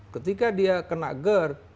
ketika dia kena gerd